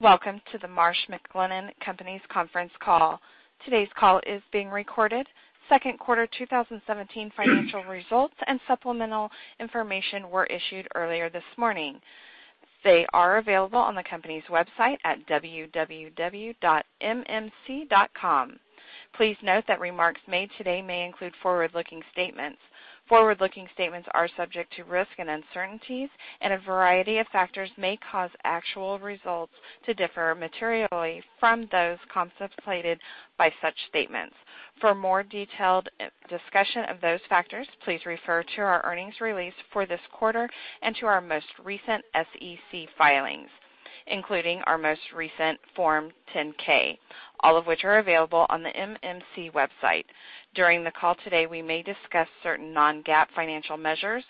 Welcome to the Marsh McLennan Companies conference call. Today's call is being recorded. Second quarter 2017 financial results and supplemental information were issued earlier this morning. They are available on the company's website at www.mmc.com. Please note that remarks made today may include forward-looking statements. Forward-looking statements are subject to risks and uncertainties, and a variety of factors may cause actual results to differ materially from those contemplated by such statements. For a more detailed discussion of those factors, please refer to our earnings release for this quarter and to our most recent SEC filings, including our most recent Form 10-K, all of which are available on the MMC website. During the call today, we may discuss certain non-GAAP financial measures.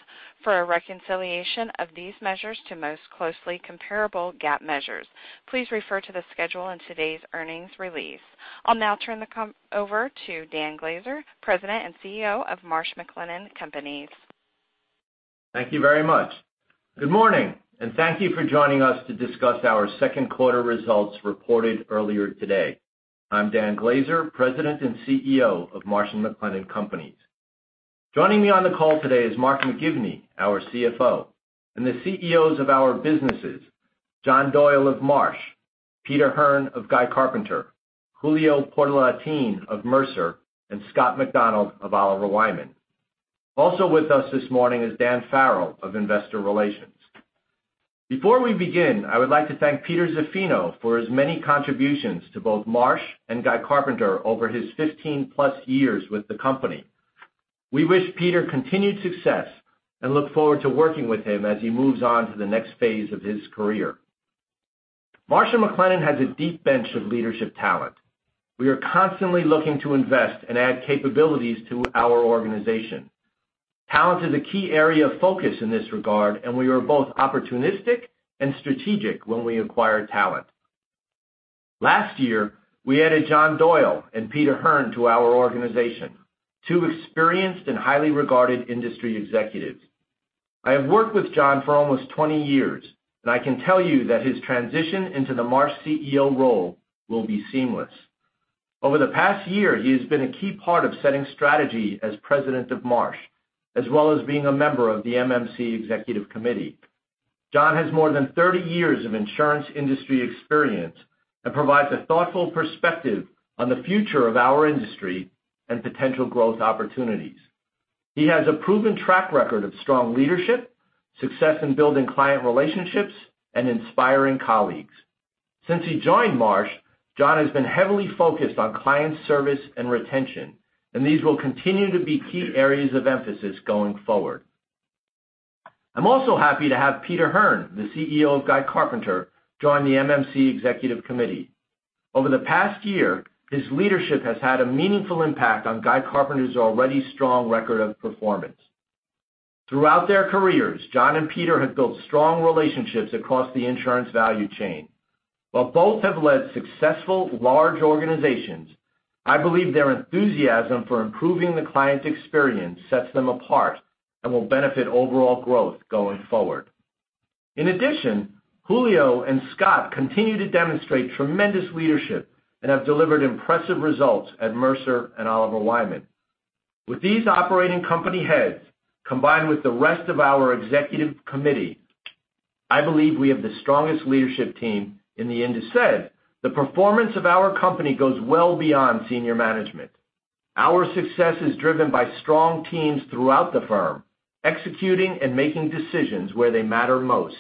For a reconciliation of these measures to most closely comparable GAAP measures, please refer to the schedule in today's earnings release. I'll now turn the call over to Dan Glaser, President and CEO of Marsh McLennan Companies. Thank you very much. Good morning. Thank you for joining us to discuss our second quarter results reported earlier today. I'm Dan Glaser, President and CEO of Marsh McLennan Companies. Joining me on the call today is Mark McGivney, our CFO, and the CEOs of our businesses, John Doyle of Marsh, Peter Hearn of Guy Carpenter, Julio Portalatin of Mercer, and Scott McDonald of Oliver Wyman. Also with us this morning is Dan Farrell of Investor Relations. Before we begin, I would like to thank Peter Zaffino for his many contributions to both Marsh and Guy Carpenter over his 15-plus years with the company. We wish Peter continued success and look forward to working with him as he moves on to the next phase of his career. Marsh McLennan has a deep bench of leadership talent. We are constantly looking to invest and add capabilities to our organization. Talent is a key area of focus in this regard. We are both opportunistic and strategic when we acquire talent. Last year, we added John Doyle and Peter Hearn to our organization, two experienced and highly regarded industry executives. I have worked with John for almost 20 years, and I can tell you that his transition into the Marsh CEO role will be seamless. Over the past year, he has been a key part of setting strategy as president of Marsh, as well as being a member of the MMC Executive Committee. John has more than 30 years of insurance industry experience and provides a thoughtful perspective on the future of our industry and potential growth opportunities. He has a proven track record of strong leadership, success in building client relationships, and inspiring colleagues. Since he joined Marsh, John has been heavily focused on client service and retention, and these will continue to be key areas of emphasis going forward. I am also happy to have Peter Hearn, the CEO of Guy Carpenter, join the MMC Executive Committee. Over the past year, his leadership has had a meaningful impact on Guy Carpenter's already strong record of performance. Throughout their careers, John and Peter have built strong relationships across the insurance value chain. While both have led successful large organizations, I believe their enthusiasm for improving the client experience sets them apart and will benefit overall growth going forward. In addition, Julio and Scott continue to demonstrate tremendous leadership and have delivered impressive results at Mercer and Oliver Wyman. With these operating company heads, combined with the rest of our Executive Committee, I believe we have the strongest leadership team in the industry. That said, the performance of our company goes well beyond senior management. Our success is driven by strong teams throughout the firm, executing and making decisions where they matter most,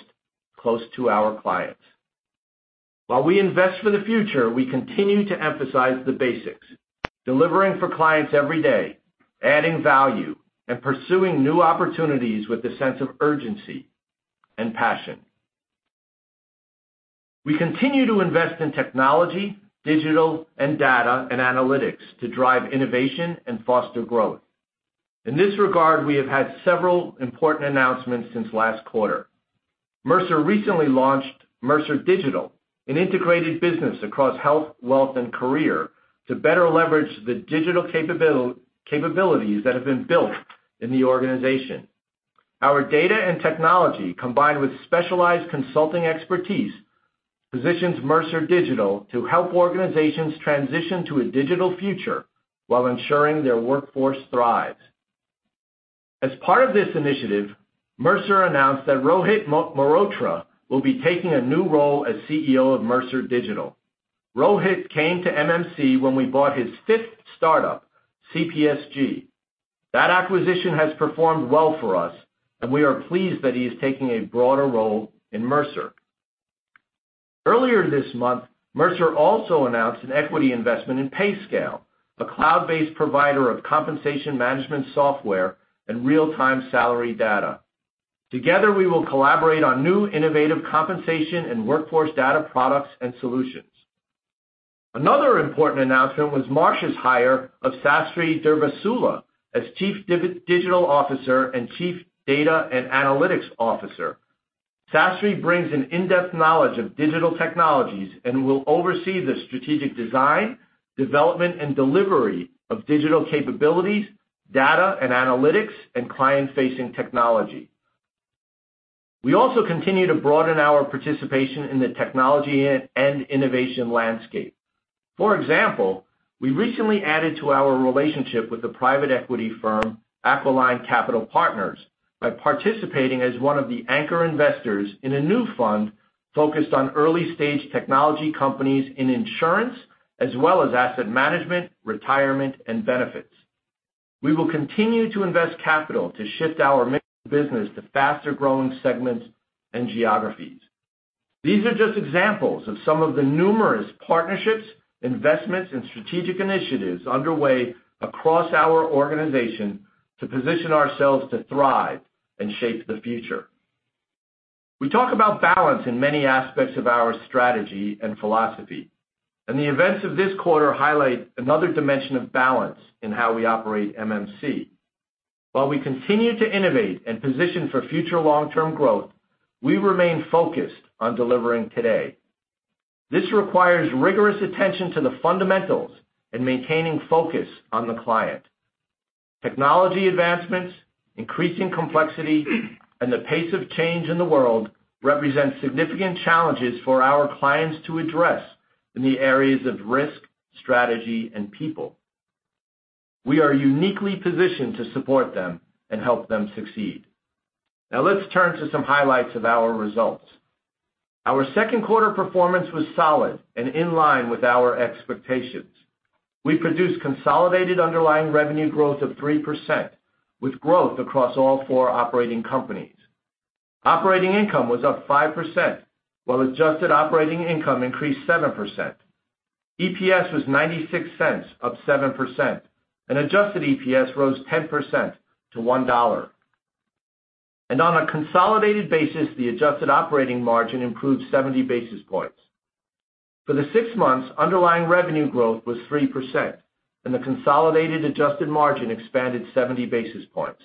close to our clients. While we invest for the future, we continue to emphasize the basics, delivering for clients every day, adding value, and pursuing new opportunities with a sense of urgency and passion. We continue to invest in technology, digital and data, and analytics to drive innovation and foster growth. In this regard, we have had several important announcements since last quarter. Mercer recently launched Mercer Digital, an integrated business across health, wealth, and career to better leverage the digital capabilities that have been built in the organization. Our data and technology, combined with specialized consulting expertise, positions Mercer Digital to help organizations transition to a digital future while ensuring their workforce thrives. As part of this initiative, Mercer announced that Rohit Mehrotra will be taking a new role as CEO of Mercer Digital. Rohit came to MMC when we bought his fifth startup, CPSG. That acquisition has performed well for us, and we are pleased that he is taking a broader role in Mercer. Earlier this month, Mercer also announced an equity investment in PayScale, a cloud-based provider of compensation management software and real-time salary data. Together, we will collaborate on new innovative compensation and workforce data products and solutions. Another important announcement was Marsh's hire of Sastry Durvasula as Chief Digital Officer and Chief Data and Analytics Officer. Sastry brings an in-depth knowledge of digital technologies and will oversee the strategic design, development, and delivery of digital capabilities, Data and Analytics, and client-facing technology. We also continue to broaden our participation in the technology and innovation landscape. For example, we recently added to our relationship with the private equity firm Aquiline Capital Partners by participating as one of the anchor investors in a new fund focused on early-stage technology companies in insurance, as well as asset management, retirement, and benefits. We will continue to invest capital to shift our mixed business to faster-growing segments and geographies. These are just examples of some of the numerous partnerships, investments, and strategic initiatives underway across our organization to position ourselves to thrive and shape the future. We talk about balance in many aspects of our strategy and philosophy, and the events of this quarter highlight another dimension of balance in how we operate MMC. While we continue to innovate and position for future long-term growth, we remain focused on delivering today. This requires rigorous attention to the fundamentals and maintaining focus on the client. Technology advancements, increasing complexity, and the pace of change in the world represent significant challenges for our clients to address in the areas of risk, strategy, and people. We are uniquely positioned to support them and help them succeed. Now let's turn to some highlights of our results. Our second quarter performance was solid and in line with our expectations. We produced consolidated underlying revenue growth of 3% with growth across all four operating companies. Operating income was up 5%, while adjusted operating income increased 7%. EPS was $0.96, up 7%, and adjusted EPS rose 10% to $1. On a consolidated basis, the adjusted operating margin improved 70 basis points. For the six months, underlying revenue growth was 3%, and the consolidated adjusted margin expanded 70 basis points.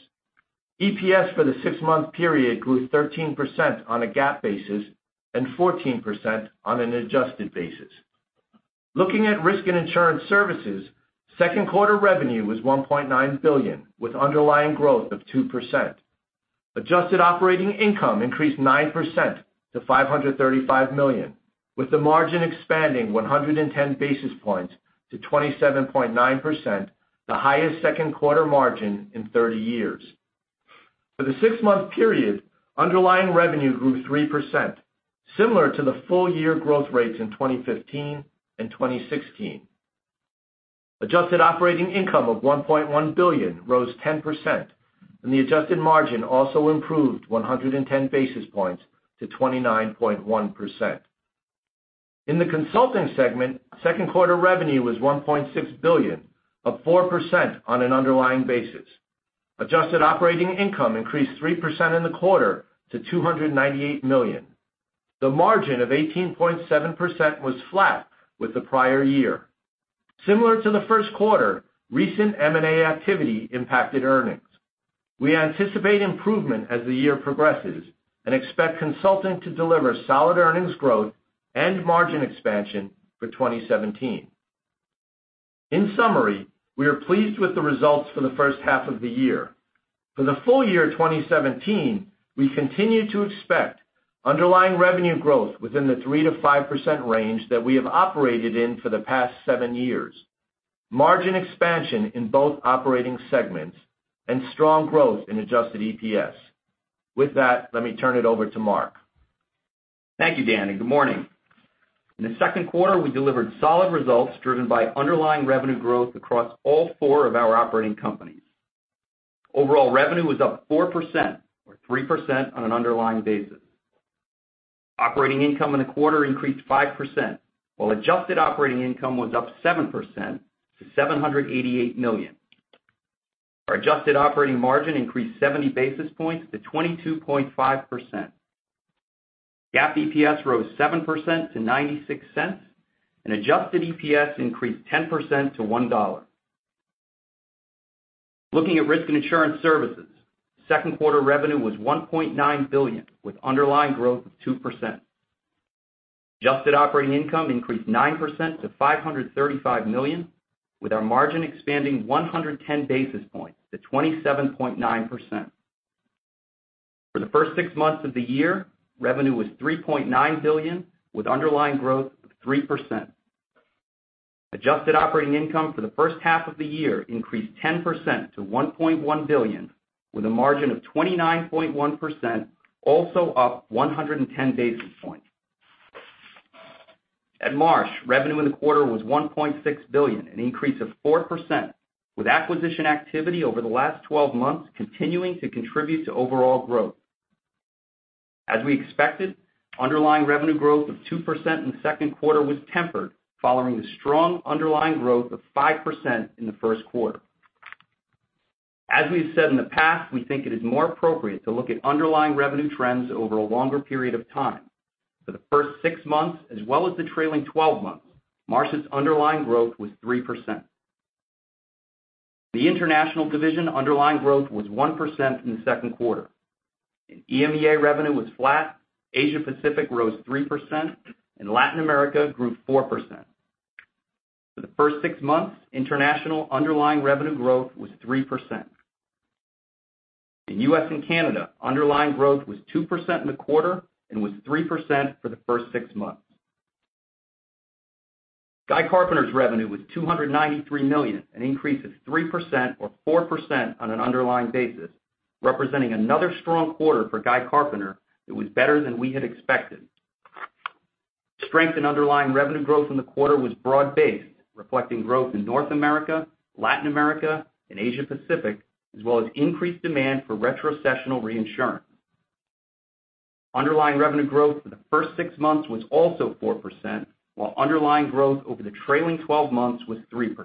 EPS for the six-month period grew 13% on a GAAP basis and 14% on an adjusted basis. Looking at risk and insurance services, second quarter revenue was $1.9 billion, with underlying growth of 2%. Adjusted operating income increased 9% to $535 million, with the margin expanding 110 basis points to 27.9%, the highest second quarter margin in 30 years. For the six-month period, underlying revenue grew 3%, similar to the full-year growth rates in 2015 and 2016. Adjusted operating income of $1.1 billion rose 10%, and the adjusted margin also improved 110 basis points to 29.1%. In the consulting segment, second quarter revenue was $1.6 billion, up 4% on an underlying basis. Adjusted operating income increased 3% in the quarter to $298 million. The margin of 18.7% was flat with the prior year. Similar to the first quarter, recent M&A activity impacted earnings. We anticipate improvement as the year progresses and expect consulting to deliver solid earnings growth and margin expansion for 2017. In summary, we are pleased with the results for the first half of the year. For the full year 2017, we continue to expect underlying revenue growth within the 3%-5% range that we have operated in for the past seven years, margin expansion in both operating segments, and strong growth in adjusted EPS. With that, let me turn it over to Mark. Thank you, Dan, and good morning. In the second quarter, we delivered solid results driven by underlying revenue growth across all four of our operating companies. Overall revenue was up 4%, or 3% on an underlying basis. Operating income in the quarter increased 5%, while adjusted operating income was up 7% to $788 million. Our adjusted operating margin increased 70 basis points to 22.5%. GAAP EPS rose 7% to $0.96, and adjusted EPS increased 10% to $1. Looking at risk and insurance services, second quarter revenue was $1.9 billion, with underlying growth of 2%. Adjusted operating income increased 9% to $535 million, with our margin expanding 110 basis points to 27.9%. For the first six months of the year, revenue was $3.9 billion, with underlying growth of 3%. Adjusted operating income for the first half of the year increased 10% to $1.1 billion, with a margin of 29.1%, also up 110 basis points. At Marsh, revenue in the quarter was $1.6 billion, an increase of 4%, with acquisition activity over the last 12 months continuing to contribute to overall growth. As we expected, underlying revenue growth of 2% in the second quarter was tempered following the strong underlying growth of 5% in the first quarter. As we've said in the past, we think it is more appropriate to look at underlying revenue trends over a longer period of time. For the first six months as well as the trailing 12 months, Marsh's underlying growth was 3%. The international division underlying growth was 1% in the second quarter. In EMEA, revenue was flat, Asia Pacific rose 3%, and Latin America grew 4%. For the first six months, international underlying revenue growth was 3%. In U.S. and Canada, underlying growth was 2% in the quarter and was 3% for the first six months. Guy Carpenter's revenue was $293 million, an increase of 3% or 4% on an underlying basis, representing another strong quarter for Guy Carpenter. It was better than we had expected. Strength in underlying revenue growth in the quarter was broad-based, reflecting growth in North America, Latin America, and Asia Pacific, as well as increased demand for retrocessional reinsurance. Underlying revenue growth for the first six months was also 4%, while underlying growth over the trailing 12 months was 3%.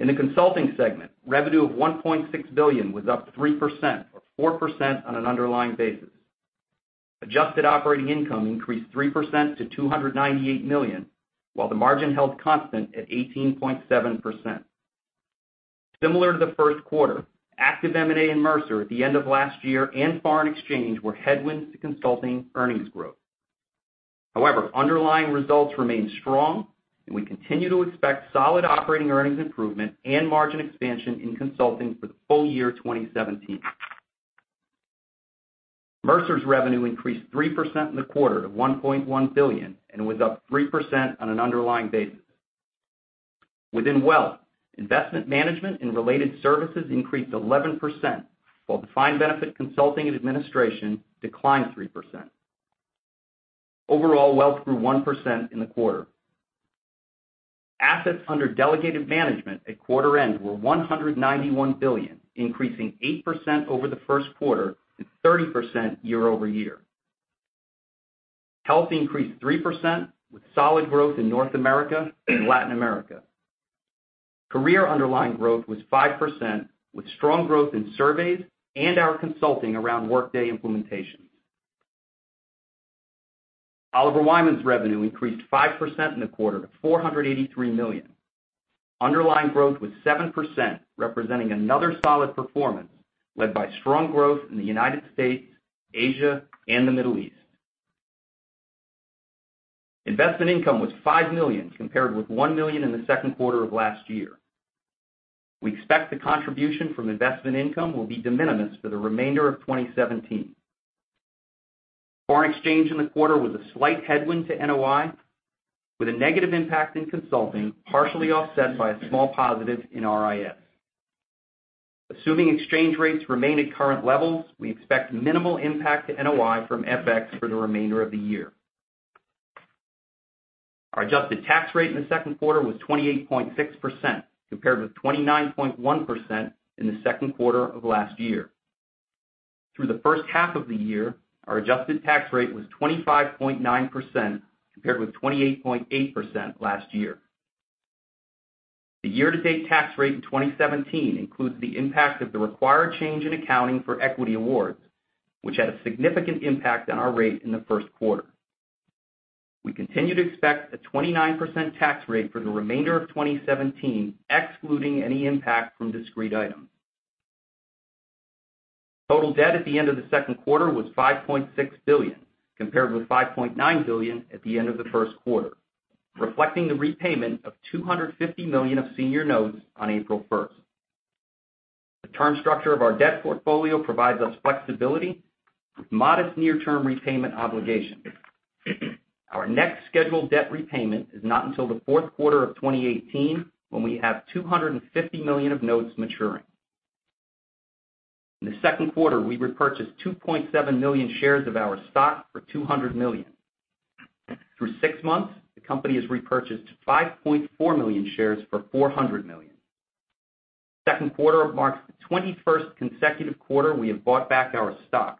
In the consulting segment, revenue of $1.6 billion was up 3%, or 4% on an underlying basis. Adjusted operating income increased 3% to $298 million, while the margin held constant at 18.7%. Similar to the first quarter, active M&A in Mercer at the end of last year and foreign exchange were headwinds to consulting earnings growth. Underlying results remained strong, and we continue to expect solid operating earnings improvement and margin expansion in consulting for the full year 2017. Mercer's revenue increased 3% in the quarter to $1.1 billion and was up 3% on an underlying basis. Within Wealth, investment management and related services increased 11%, while defined benefit consulting and administration declined 3%. Overall, Wealth grew 1% in the quarter. Assets under delegated management at quarter end were $191 billion, increasing 8% over the first quarter and 30% year-over-year. Health increased 3% with solid growth in North America and Latin America. Career underlying growth was 5%, with strong growth in surveys and our consulting around Workday implementations. Oliver Wyman's revenue increased 5% in the quarter to $483 million. Underlying growth was 7%, representing another solid performance led by strong growth in the United States, Asia, and the Middle East. Investment income was $5 million, compared with $1 million in the second quarter of last year. We expect the contribution from investment income will be de minimis for the remainder of 2017. Foreign exchange in the quarter was a slight headwind to NOI, with a negative impact in consulting, partially offset by a small positive in RIS. Assuming exchange rates remain at current levels, we expect minimal impact to NOI from FX for the remainder of the year. Our adjusted tax rate in the second quarter was 28.6%, compared with 29.1% in the second quarter of last year. Through the first half of the year, our adjusted tax rate was 25.9%, compared with 28.8% last year. The year-to-date tax rate in 2017 includes the impact of the required change in accounting for equity awards, which had a significant impact on our rate in the first quarter. We continue to expect a 29% tax rate for the remainder of 2017, excluding any impact from discrete items. Total debt at the end of the second quarter was $5.6 billion, compared with $5.9 billion at the end of the first quarter, reflecting the repayment of $250 million of senior notes on April 1st. The term structure of our debt portfolio provides us flexibility with modest near-term repayment obligations. Our next scheduled debt repayment is not until the fourth quarter of 2018, when we have $250 million of notes maturing. In the second quarter, we repurchased 2.7 million shares of our stock for $200 million. Through six months, the company has repurchased 5.4 million shares for $400 million. Second quarter marks the 21st consecutive quarter we have bought back our stock.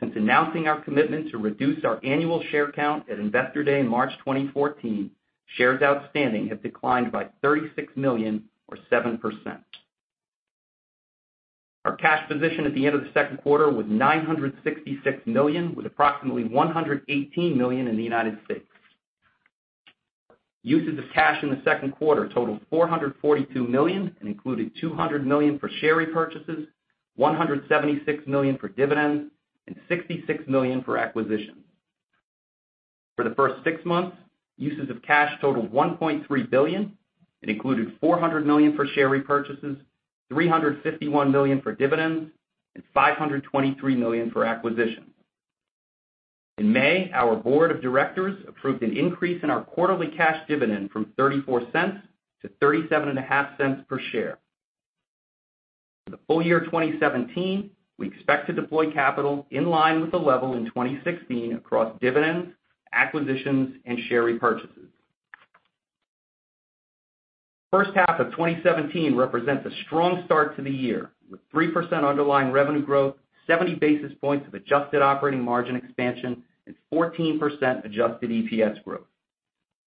Since announcing our commitment to reduce our annual share count at Investor Day in March 2014, shares outstanding have declined by 36 million or 7%. Our cash position at the end of the second quarter was $966 million, with approximately $118 million in the U.S. Uses of cash in the second quarter totaled $442 million and included $200 million for share repurchases, $176 million for dividends, and $66 million for acquisitions. For the first six months, uses of cash totaled $1.3 billion. It included $400 million for share repurchases, $351 million for dividends, and $523 million for acquisitions. In May, our board of directors approved an increase in our quarterly cash dividend from $0.34 to $0.375 per share. For the full year 2017, we expect to deploy capital in line with the level in 2016 across dividends, acquisitions, and share repurchases. First half of 2017 represents a strong start to the year, with 3% underlying revenue growth, 70 basis points of adjusted operating margin expansion, and 14% adjusted EPS growth.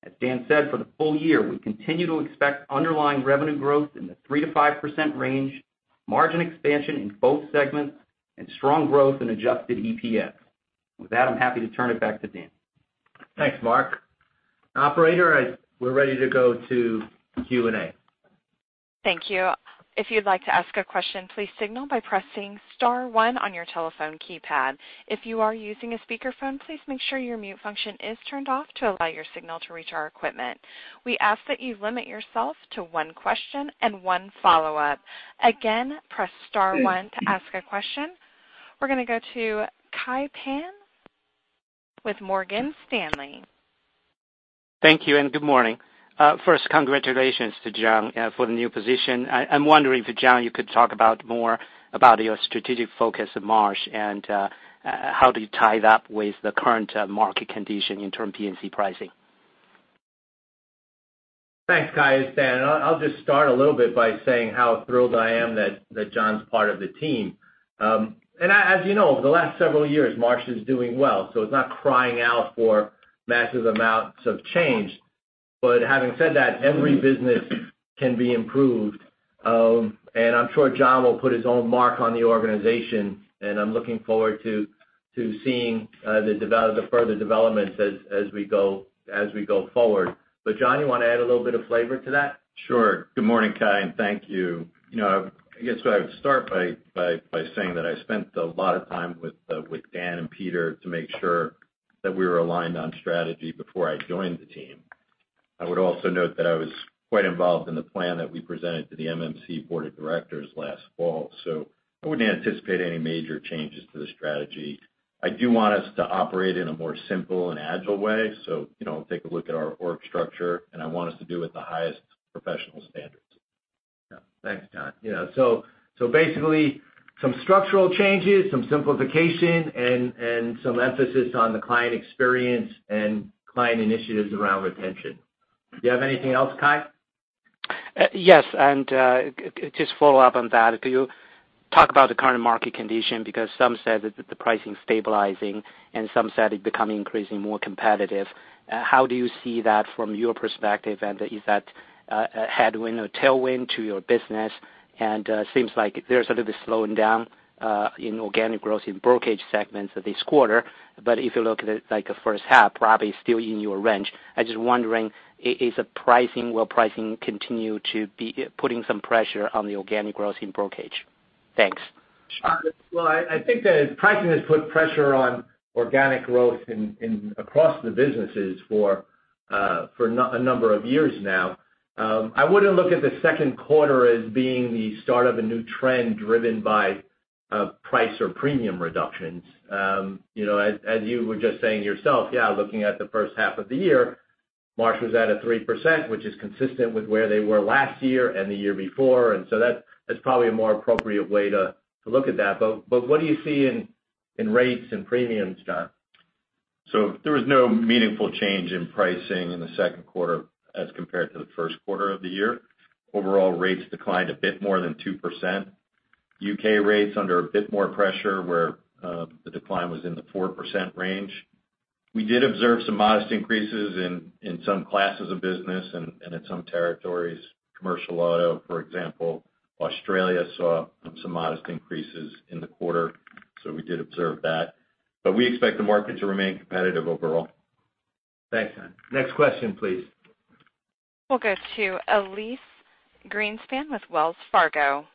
As Dan said, for the full year, we continue to expect underlying revenue growth in the 3%-5% range, margin expansion in both segments, and strong growth in adjusted EPS. With that, I'm happy to turn it back to Dan. Thanks, Mark. Operator, we're ready to go to Q&A. Thank you. If you'd like to ask a question, please signal by pressing star one on your telephone keypad. If you are using a speakerphone, please make sure your mute function is turned off to allow your signal to reach our equipment. We ask that you limit yourself to one question and one follow-up. Again, press star one to ask a question. We're going to go to Kai Pan with Morgan Stanley. Thank you, and good morning. First, congratulations to John for the new position. I'm wondering if, John, you could talk about more about your strategic focus at Marsh and how do you tie that with the current market condition in term P&C pricing. Thanks, Kai Pan. I'll just start a little bit by saying how thrilled I am that John's part of the team. As you know, over the last several years, Marsh is doing well, it's not crying out for massive amounts of change. Having said that, every business can be improved. I'm sure John will put his own mark on the organization, and I'm looking forward to seeing the further developments as we go forward. John, you want to add a little bit of flavor to that? Sure. Good morning, Kai, and thank you. I guess what I would start by saying that I spent a lot of time with Dan and Peter to make sure that we were aligned on strategy before I joined the team. I would also note that I was quite involved in the plan that we presented to the MMC board of directors last fall. I wouldn't anticipate any major changes to the strategy. I do want us to operate in a more simple and agile way. Take a look at our org structure, and I want us to do it with the highest professional standards. Yeah. Thanks, John. Basically some structural changes, some simplification, and some emphasis on the client experience and client initiatives around retention. Do you have anything else, Kai? Yes, just follow up on that. Could you talk about the current market condition? Some said that the pricing stabilizing and some said it becoming increasingly more competitive. How do you see that from your perspective, and is that a headwind or tailwind to your business? Seems like there's a little bit slowing down in organic growth in brokerage segments of this quarter, but if you look at it like a first half, probably still in your range. I just wondering, will pricing continue to be putting some pressure on the organic growth in brokerage? Thanks. Sure. Well, I think that pricing has put pressure on organic growth across the businesses for a number of years now. I wouldn't look at the second quarter as being the start of a new trend driven by price or premium reductions. As you were just saying yourself, yeah, looking at the first half of the year, Marsh was at a 3%, which is consistent with where they were last year and the year before, that's probably a more appropriate way to look at that. What do you see in rates and premiums, John? There was no meaningful change in pricing in the second quarter as compared to the first quarter of the year. Overall rates declined a bit more than 2%. U.K. rates under a bit more pressure where the decline was in the 4% range. We did observe some modest increases in some classes of business and in some territories. Commercial auto, for example, Australia saw some modest increases in the quarter. We did observe that. We expect the market to remain competitive overall. Thanks, John. Next question, please. We'll go to Elyse Greenspan with Wells Fargo.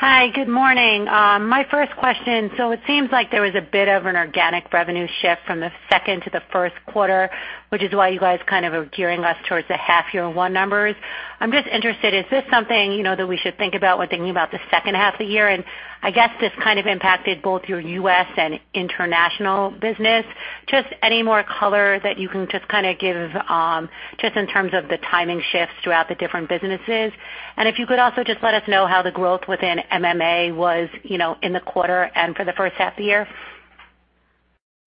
Hi. Good morning. My first question, it seems like there was a bit of an organic revenue shift from the second to the first quarter, which is why you guys kind of are gearing us towards the half year one numbers. I'm just interested, is this something that we should think about when thinking about the second half of the year? I guess this kind of impacted both your U.S. and international business. Just any more color that you can just kind of give, just in terms of the timing shifts throughout the different businesses? And if you could also just let us know how the growth within MMA was in the quarter and for the first half of the year.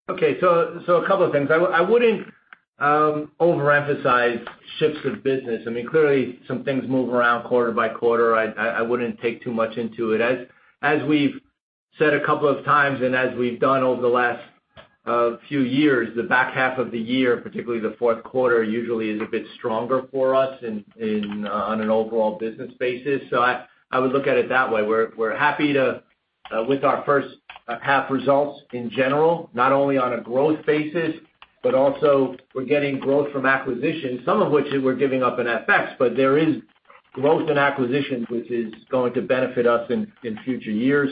A couple of things. I wouldn't overemphasize shifts of business. I mean, clearly some things move around quarter by quarter. I wouldn't take too much into it. As we've said a couple of times, as we've done over the last few years, the back half of the year, particularly the fourth quarter, usually is a bit stronger for us on an overall business basis. I would look at it that way. We're happy with our first half results in general, not only on a growth basis, but also we're getting growth from acquisitions, some of which we're giving up in FX, but there is growth in acquisitions, which is going to benefit us in future years.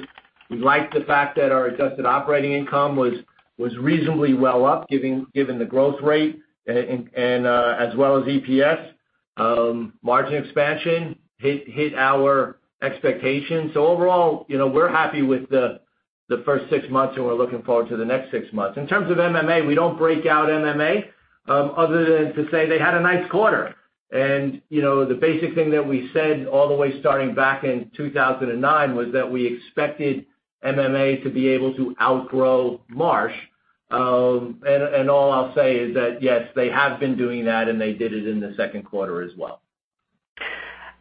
We like the fact that our adjusted operating income was reasonably well up given the growth rate as well as EPS. Margin expansion hit our expectations. Overall, we're happy with the first six months, and we're looking forward to the next six months. In terms of MMA, we don't break out MMA other than to say they had a nice quarter. The basic thing that we said all the way starting back in 2009 was that we expected MMA to be able to outgrow Marsh. All I'll say is that, yes, they have been doing that, and they did it in the second quarter as well.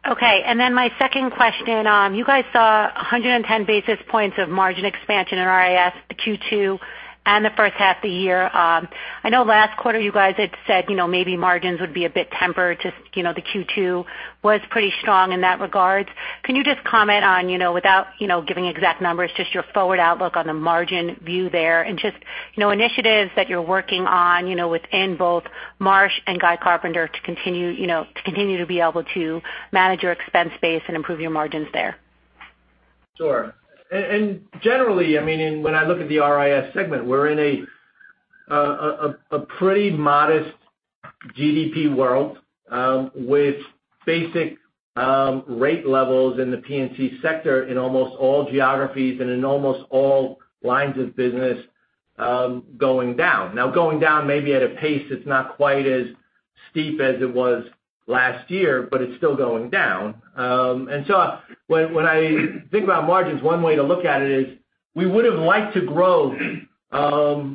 Okay. My second question, you guys saw 110 basis points of margin expansion in RIS Q2 and the first half of the year. I know last quarter you guys had said maybe margins would be a bit tempered. The Q2 was pretty strong in that regard. Can you just comment on, without giving exact numbers, just your forward outlook on the margin view there and just initiatives that you're working on within both Marsh & Guy Carpenter to continue to be able to manage your expense base and improve your margins there? Sure. Generally, when I look at the RIS segment, we're in a pretty modest GDP world with basic rate levels in the P&C sector in almost all geographies and in almost all lines of business going down. Now, going down maybe at a pace that's not quite as steep as it was last year, but it's still going down. When I think about margins, one way to look at it is we would've liked to grow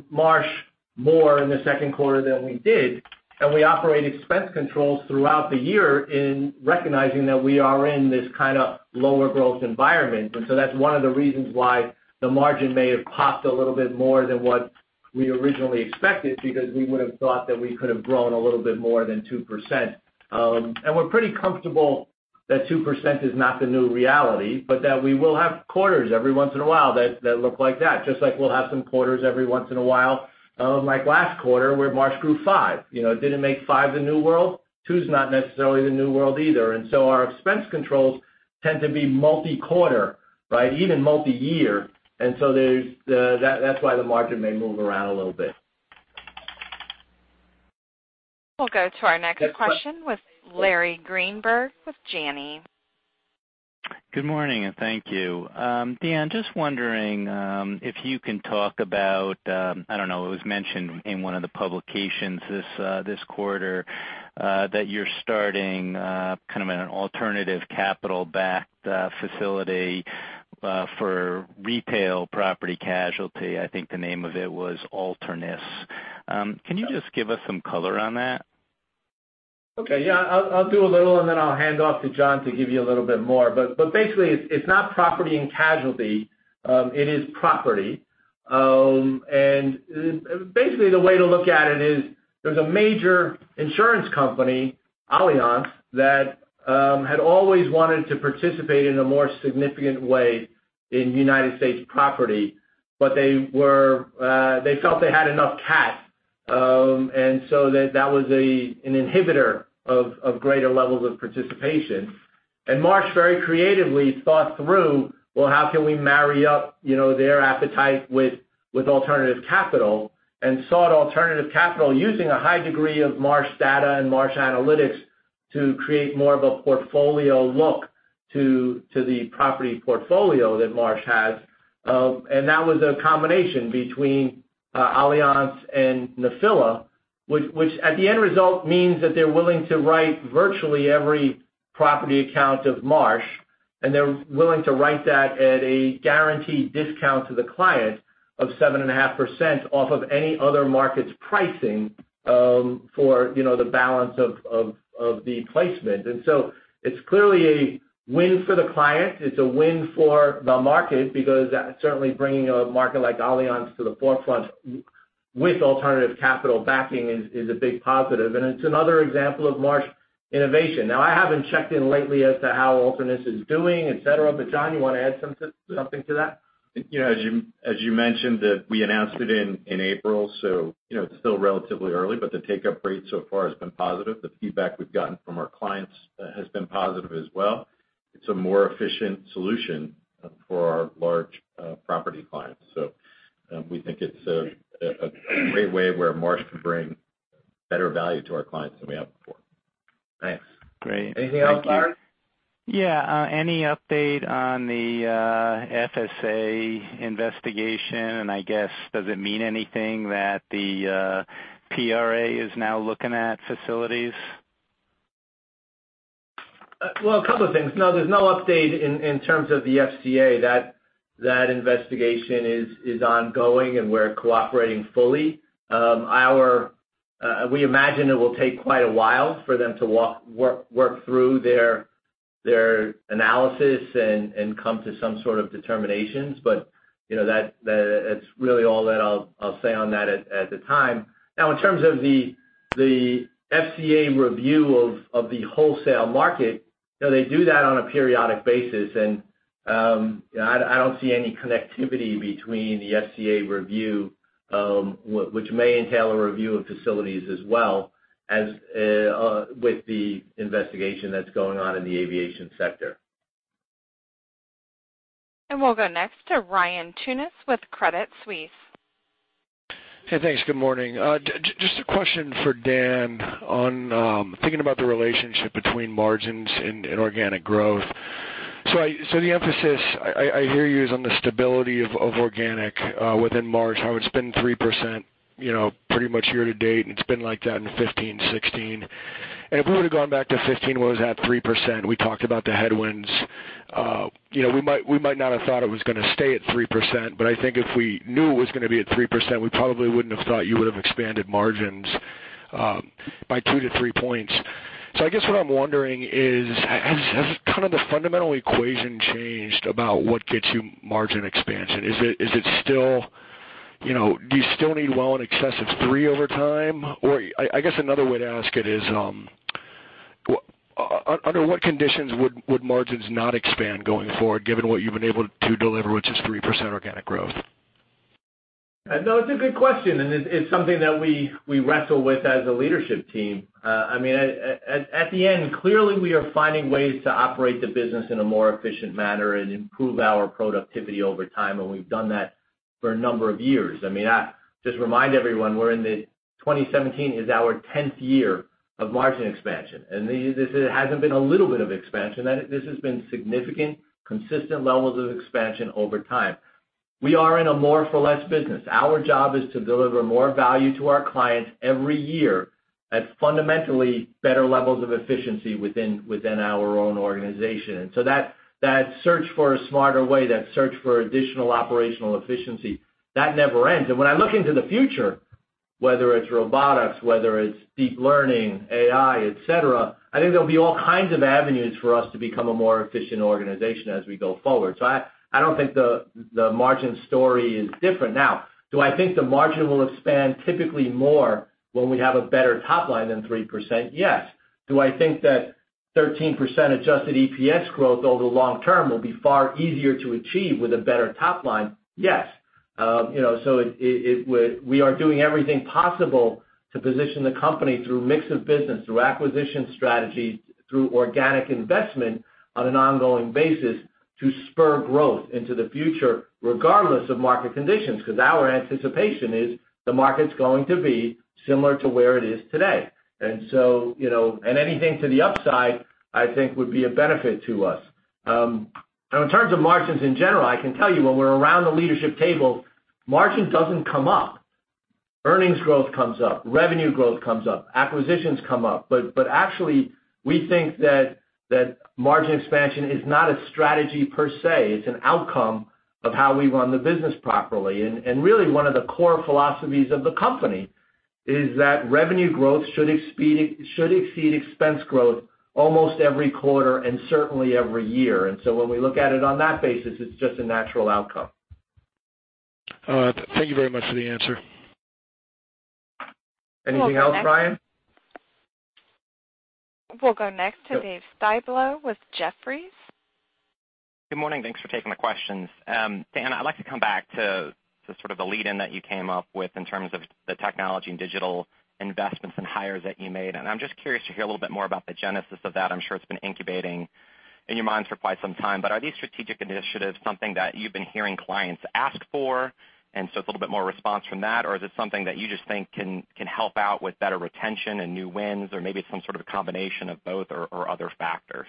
Marsh more in the second quarter than we did, and we operate expense controls throughout the year in recognizing that we are in this kind of lower growth environment. That's one of the reasons why the margin may have popped a little bit more than what we originally expected, because we would've thought that we could have grown a little bit more than 2%. We're pretty comfortable that 2% is not the new reality, but that we will have quarters every once in a while that look like that. Just like we'll have some quarters every once in a while, like last quarter where Marsh grew 5%. It didn't make 5% the new world. 2% is not necessarily the new world either. Our expense controls tend to be multi-quarter, even multi-year. That's why the market may move around a little bit. We'll go to our next question with Larry Greenberg with Janney. Good morning, and thank you. Dan, just wondering if you can talk about, I don't know, it was mentioned in one of the publications this quarter that you're starting an alternative capital-backed facility for retail property casualty. I think the name of it was Alternus. Can you just give us some color on that? Okay. Yeah, I'll do a little. Then I'll hand off to John to give you a little bit more. Basically, it's not property and casualty. It is property. Basically, the way to look at it is there's a major insurance company, Allianz, that had always wanted to participate in a more significant way in U.S. property, but they felt they had enough cat. So that was an inhibitor of greater levels of participation. Marsh very creatively thought through, "Well, how can we marry up their appetite with alternative capital?" Sought alternative capital using a high degree of Marsh data and Marsh analytics to create more of a portfolio look to the property portfolio that Marsh has. That was a combination between Allianz and Nephila, which at the end result means that they're willing to write virtually every property account of Marsh, and they're willing to write that at a guaranteed discount to the client of 7.5% off of any other market's pricing for the balance of the placement. So it's clearly a win for the client. It's a win for the market because certainly bringing a market like Allianz to the forefront with alternative capital backing is a big positive, and it's another example of Marsh innovation. Now, I haven't checked in lately as to how Alternus is doing, et cetera. John, you want to add something to that? As you mentioned, we announced it in April, it's still relatively early, but the take-up rate so far has been positive. The feedback we've gotten from our clients has been positive as well. It's a more efficient solution for our large property clients. We think it's a great way where Marsh can bring better value to our clients than we have before. Thanks. Great. Thank you. Anything else, Larry? Yeah. Any update on the FCA investigation? I guess, does it mean anything that the PRA is now looking at facilities? Well, a couple of things. No, there's no update in terms of the FCA. That investigation is ongoing, and we're cooperating fully. We imagine it will take quite a while for them to work through their analysis and come to some sort of determinations, but that's really all that I'll say on that at the time. In terms of the FCA review of the wholesale market, they do that on a periodic basis, and I don't see any connectivity between the FCA review, which may entail a review of facilities as well as with the investigation that's going on in the aviation sector. We'll go next to Ryan Tunis with Credit Suisse. Hey, thanks. Good morning. Just a question for Dan on thinking about the relationship between margins and organic growth. The emphasis I hear you is on the stability of organic within Marsh, how it's been 3% pretty much year-to-date, and it's been like that in 2015, 2016. If we would've gone back to 2015, when it was at 3%, we talked about the headwinds. We might not have thought it was going to stay at 3%, but I think if we knew it was going to be at 3%, we probably wouldn't have thought you would have expanded margins by 2-3 points. I guess what I'm wondering is, has the fundamental equation changed about what gets you margin expansion? Do you still need well in excess of 3% over time? I guess another way to ask it is, under what conditions would margins not expand going forward given what you've been able to deliver, which is 3% organic growth? It's a good question, it's something that we wrestle with as a leadership team. At the end, clearly, we are finding ways to operate the business in a more efficient manner and improve our productivity over time, and we've done that for a number of years. Just remind everyone, 2017 is our 10th year of margin expansion. This hasn't been a little bit of expansion. This has been significant, consistent levels of expansion over time. We are in a more for less business. Our job is to deliver more value to our clients every year at fundamentally better levels of efficiency within our own organization. That search for a smarter way, that search for additional operational efficiency, that never ends. When I look into the future, whether it's robotics, whether it's deep learning, AI, et cetera, I think there'll be all kinds of avenues for us to become a more efficient organization as we go forward. I don't think the margin story is different. Now, do I think the margin will expand typically more when we have a better top line than 3%? Yes. Do I think that 13% adjusted EPS growth over the long term will be far easier to achieve with a better top line? Yes. We are doing everything possible to position the company through mix of business, through acquisition strategy, through organic investment on an ongoing basis to spur growth into the future, regardless of market conditions, because our anticipation is the market's going to be similar to where it is today. Anything to the upside, I think, would be a benefit to us. Now, in terms of margins in general, I can tell you when we're around the leadership table, margin doesn't come up. Earnings growth comes up, revenue growth comes up, acquisitions come up. Actually, we think that margin expansion is not a strategy per se. It's an outcome of how we run the business properly. Really, one of the core philosophies of the company is that revenue growth should exceed expense growth almost every quarter and certainly every year. When we look at it on that basis, it's just a natural outcome. All right. Thank you very much for the answer. Anything else, Ryan? We'll go next to David Styblo with Jefferies. Good morning. Thanks for taking my questions. Dan, I'd like to come back to the lead-in that you came up with in terms of the technology and digital investments and hires that you made. I'm just curious to hear a little bit more about the genesis of that. I'm sure it's been incubating in your minds for quite some time. Are these strategic initiatives something that you've been hearing clients ask for, so it's a little bit more response from that? Is it something that you just think can help out with better retention and new wins, or maybe some sort of a combination of both or other factors?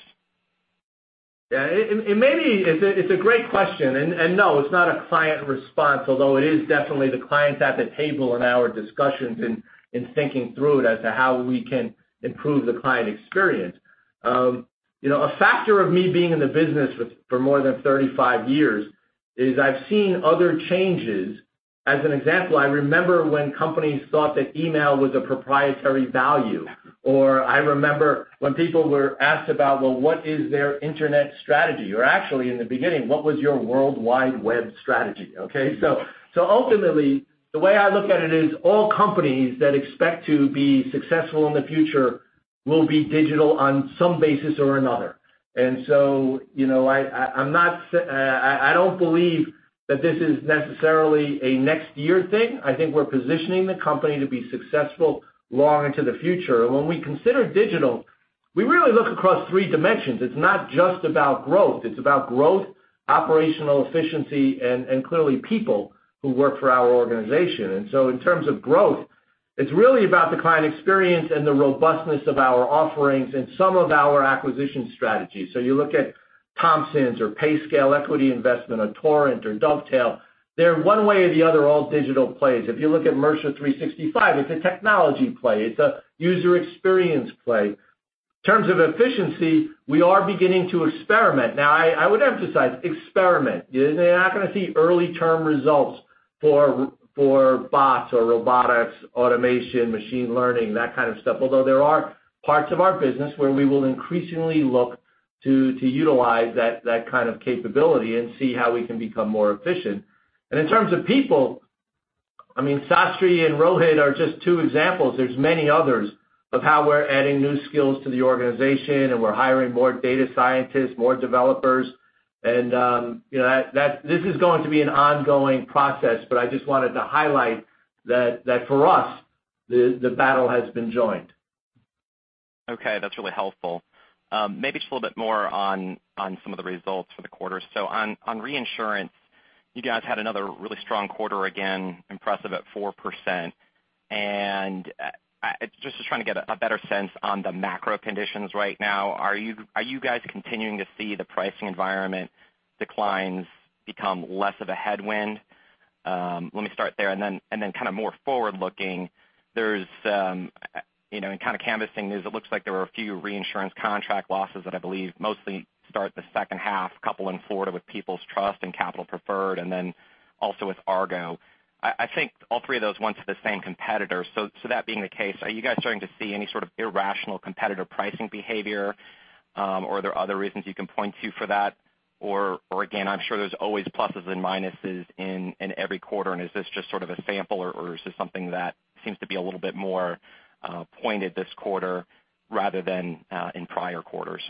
It's a great question. No, it's not a client response, although it is definitely the clients at the table in our discussions in thinking through it as to how we can improve the client experience. A factor of me being in the business for more than 35 years is I've seen other changes. As an example, I remember when companies thought that email was a proprietary value, or I remember when people were asked about, well, what is their internet strategy? Actually, in the beginning, what was your World Wide Web strategy, okay? Ultimately, the way I look at it is all companies that expect to be successful in the future will be digital on some basis or another. I don't believe that this is necessarily a next year thing. I think we're positioning the company to be successful long into the future. When we consider digital, we really look across three dimensions. It's not just about growth. It's about growth, operational efficiency, and clearly people who work for our organization. In terms of growth, it's really about the client experience and the robustness of our offerings and some of our acquisition strategies. So you look at Thomsons or Payscale equity investment or Torrent or Dovetail, they're one way or the other, all digital plays. If you look at Mercer 365, it's a technology play. It's a user experience play. In terms of efficiency, we are beginning to experiment. Now, I would emphasize experiment. You're not going to see early term results for bots or robotics, automation, machine learning, that kind of stuff. Although there are parts of our business where we will increasingly look to utilize that kind of capability and see how we can become more efficient. In terms of people, Sastry and Rohit are just two examples. There's many others of how we're adding new skills to the organization, and we're hiring more data scientists, more developers. This is going to be an ongoing process, but I just wanted to highlight that for us, the battle has been joined. Okay. That's really helpful. Maybe just a little bit more on some of the results for the quarter. On reinsurance, you guys had another really strong quarter, again, impressive at 4%. Just trying to get a better sense on the macro conditions right now. Are you guys continuing to see the pricing environment declines become less of a headwind? Let me start there, and then more forward-looking. In kind of canvassing news, it looks like there were a few reinsurance contract losses that I believe mostly start the second half, couple in Florida with People's Trust and Capitol Preferred, and then also with Argo. I think all three of those went to the same competitor. That being the case, are you guys starting to see any sort of irrational competitive pricing behavior? Are there other reasons you can point to for that? Again, I'm sure there's always pluses and minuses in every quarter, and is this just sort of a sample, or is this something that seems to be a little bit more pointed this quarter rather than in prior quarters?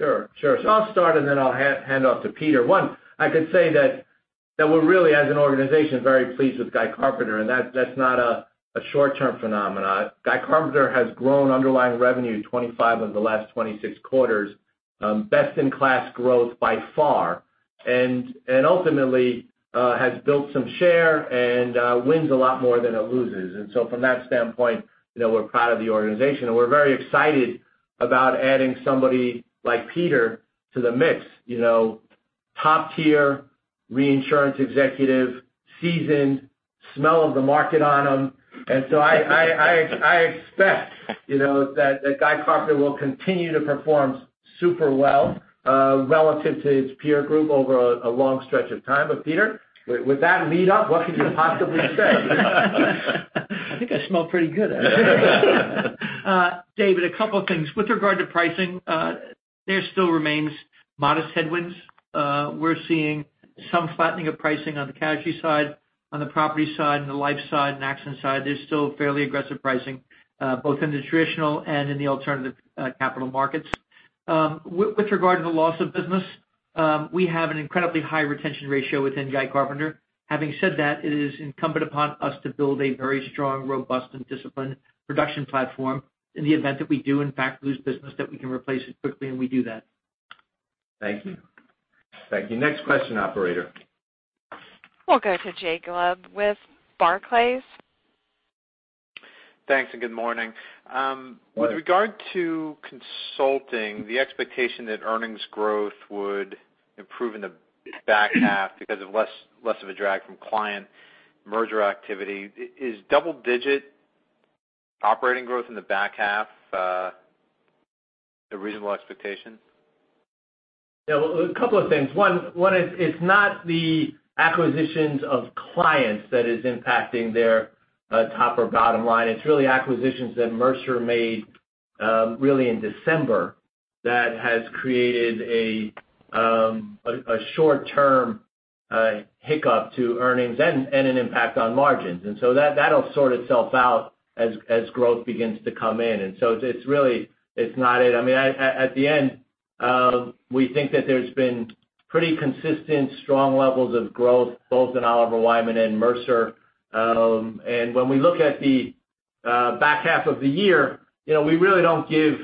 I'll start, and then I'll hand off to Peter. One, I could say that we're really, as an organization, very pleased with Guy Carpenter, and that's not a short-term phenomenon. Guy Carpenter has grown underlying revenue 25 of the last 26 quarters, best-in-class growth by far, and ultimately, has built some share and wins a lot more than it loses. From that standpoint, we're proud of the organization, and we're very excited about adding somebody like Peter to the mix. Top-tier reinsurance executive, seasoned, smell of the market on him. I expect that Guy Carpenter will continue to perform super well relative to its peer group over a long stretch of time. Peter, with that lead up, what could you possibly say? I think I smell pretty good. David, a couple of things. With regard to pricing, there still remains modest headwinds. We're seeing some flattening of pricing on the casualty side, on the property side, and the life side, and accident side. There's still fairly aggressive pricing both in the traditional and in the alternative capital markets. With regard to the loss of business, we have an incredibly high retention ratio within Guy Carpenter. Having said that, it is incumbent upon us to build a very strong, robust, and disciplined production platform in the event that we do, in fact, lose business, that we can replace it quickly, and we do that. Thank you. Next question, operator. We'll go to Jay Gelb with Barclays. Thanks, good morning. Morning. With regard to consulting, the expectation that earnings growth would improve in the back half because of less of a drag from client merger activity. Is double-digit operating growth in the back half a reasonable expectation? A couple of things. One, it's not the acquisitions of clients that is impacting their top or bottom line. It's really acquisitions that Mercer made in December that has created a short-term hiccup to earnings and an impact on margins. That'll sort itself out as growth begins to come in. It's not it. At the end, we think that there's been pretty consistent, strong levels of growth both in Oliver Wyman and Mercer. When we look at the back half of the year, we really don't give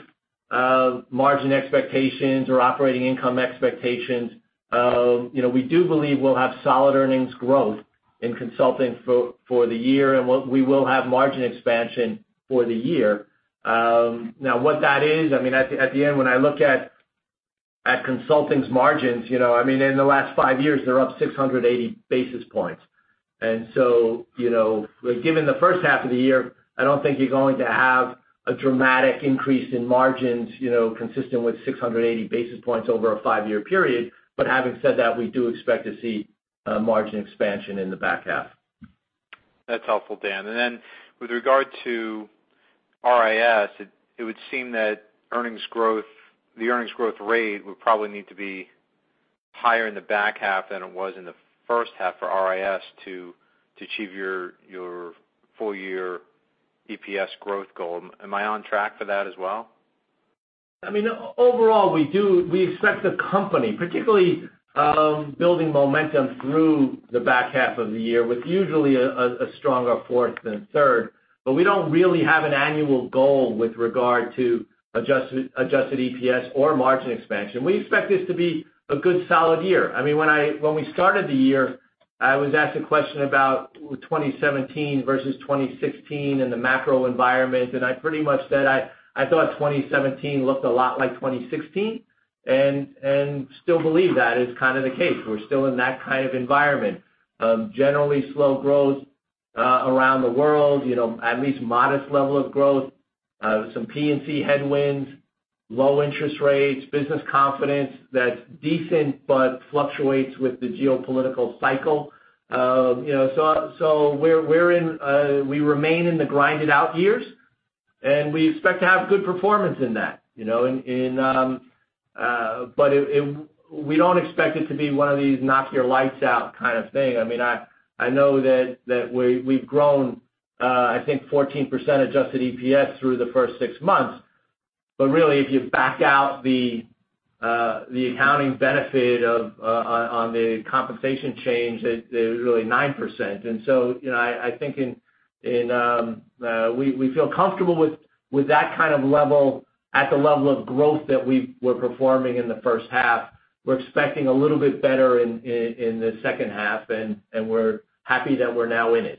margin expectations or operating income expectations. We do believe we'll have solid earnings growth in consulting for the year, and we will have margin expansion for the year. Now what that is, at the end, when I look at consulting's margins, in the last five years, they're up 680 basis points. Given the first half of the year, I don't think you're going to have a dramatic increase in margins, consistent with 680 basis points over a five-year period. Having said that, we do expect to see margin expansion in the back half. That's helpful, Dan. Then with regard to RIS, it would seem that the earnings growth rate would probably need to be higher in the back half than it was in the first half for RIS to achieve your full-year EPS growth goal. Am I on track for that as well? Overall, we expect the company, particularly building momentum through the back half of the year, with usually a stronger fourth than third. We don't really have an annual goal with regard to adjusted EPS or margin expansion. We expect this to be a good, solid year. When we started the year, I was asked a question about 2017 versus 2016 and the macro environment, and I pretty much said I thought 2017 looked a lot like 2016, and still believe that is kind of the case. We're still in that kind of environment. Generally slow growth around the world, at least modest level of growth. Some P&C headwinds, low interest rates, business confidence that's decent but fluctuates with the geopolitical cycle. We remain in the grind-it-out years, and we expect to have good performance in that. We don't expect it to be one of these knock your lights out kind of thing. I know that we've grown, I think 14% adjusted EPS through the first six months. Really, if you back out the accounting benefit on the compensation change, it was really 9%. So I think we feel comfortable with that kind of level at the level of growth that we were performing in the first half. We're expecting a little bit better in the second half, and we're happy that we're now in it.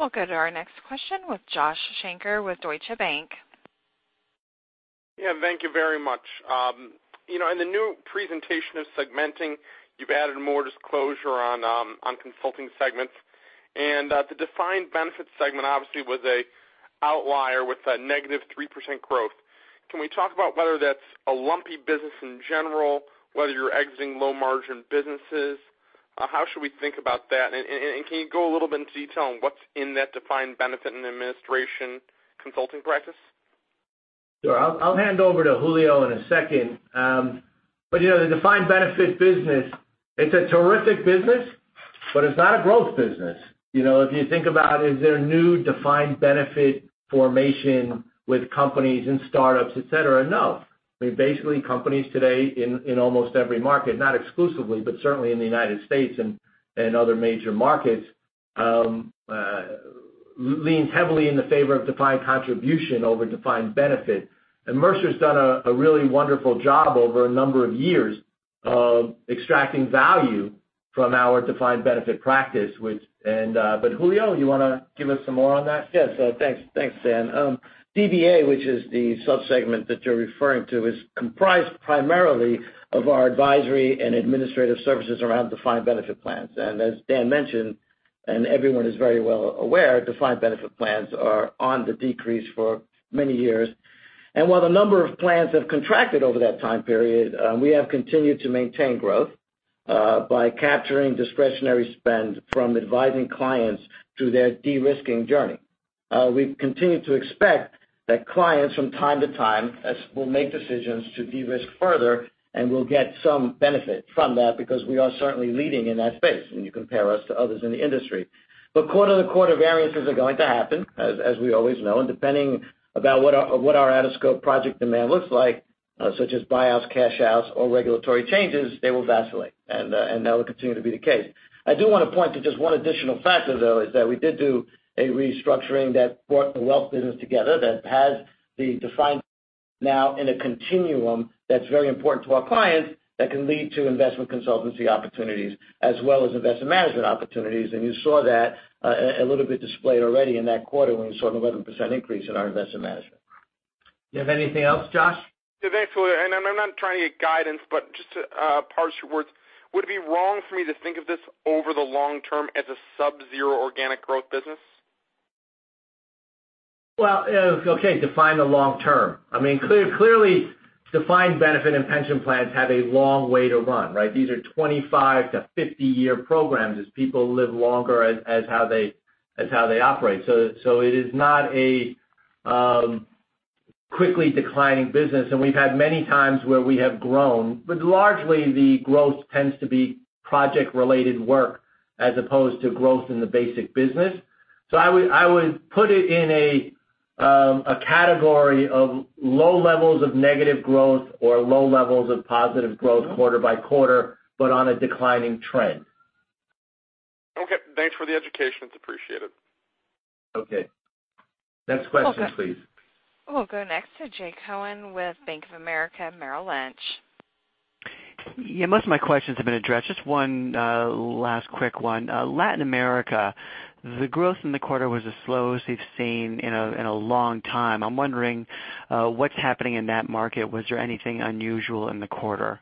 We'll go to our next question with Joshua Shanker with Deutsche Bank. Yeah, thank you very much. In the new presentation of segmenting, you've added more disclosure on consulting segments. The defined benefit segment, obviously, was an outlier with -3% growth. Can we talk about whether that's a lumpy business in general, whether you're exiting low-margin businesses? How should we think about that? Can you go a little bit into detail on what's in that defined benefit and administration consulting practice? Sure. I'll hand over to Julio in a second. The defined benefit business, it's a terrific business, but it's not a growth business. If you think about, is there new defined benefit formation with companies and startups, et cetera? No. Basically, companies today in almost every market, not exclusively, but certainly in the U.S. and other major markets, lean heavily in the favor of defined contribution over defined benefit. Mercer's done a really wonderful job over a number of years of extracting value from our defined benefit practice. Julio, you want to give us some more on that? Yes. Thanks, Dan. DBA, which is the sub-segment that you're referring to, is comprised primarily of our advisory and administrative services around defined benefit plans. As Dan mentioned, everyone is very well aware, defined benefit plans are on the decrease for many years. While the number of plans have contracted over that time period, we have continued to maintain growth, by capturing discretionary spend from advising clients through their de-risking journey. We've continued to expect that clients from time to time will make decisions to de-risk further, and we'll get some benefit from that because we are certainly leading in that space when you compare us to others in the industry. Quarter-to-quarter variances are going to happen, as we always know, and depending about what our out-of-scope project demand looks like, such as buyouts, cash outs, or regulatory changes, they will vacillate, and that will continue to be the case. I do want to point to just one additional factor, though, is that we did do a restructuring that brought the wealth business together that has the defined now in a continuum that's very important to our clients that can lead to investment consultancy opportunities as well as investment management opportunities. You saw that a little bit displayed already in that quarter when you saw an 11% increase in our investment management. Do you have anything else, Josh? Thanks, Julio. I'm not trying to get guidance, just to parse your words, would it be wrong for me to think of this over the long term as a sub-zero organic growth business? Okay, define the long term. Clearly, defined benefit and pension plans have a long way to run, right? These are 25 to 50-year programs as people live longer as how they operate. It is not a quickly declining business, we've had many times where we have grown. Largely, the growth tends to be project-related work as opposed to growth in the basic business. I would put it in a category of low levels of negative growth or low levels of positive growth quarter by quarter, but on a declining trend. Okay. Thanks for the education. It's appreciated. Okay. Next question, please. We'll go next to Jay Cohen with Bank of America Merrill Lynch. Yeah, most of my questions have been addressed. Just one last quick one. Latin America, the growth in the quarter was the slowest we've seen in a long time. I'm wondering what's happening in that market. Was there anything unusual in the quarter?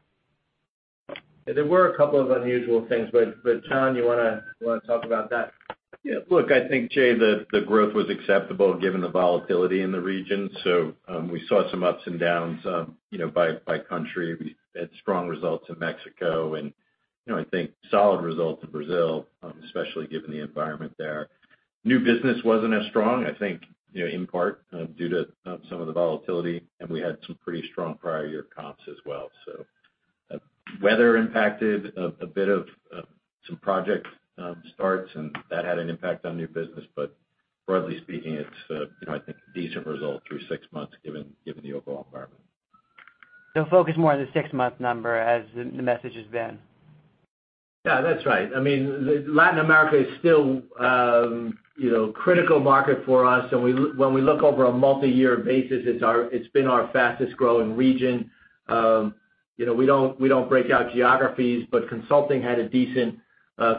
There were a couple of unusual things, but John, you want to talk about that? Look, I think, Jay, the growth was acceptable given the volatility in the region. We saw some ups and downs by country. We had strong results in Mexico and I think solid results in Brazil, especially given the environment there. New business wasn't as strong, I think in part due to some of the volatility, and we had some pretty strong prior year comps as well. Weather impacted a bit of some project starts, and that had an impact on new business. Broadly speaking, it's I think decent result through six months given the overall environment. Focus more on the six-month number as the message has been. That's right. Latin America is still a critical market for us. When we look over a multi-year basis, it's been our fastest-growing region. We don't break out geographies, consulting had a decent